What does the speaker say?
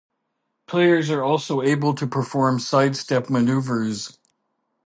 Players are also able to perform sidestep maneuvers.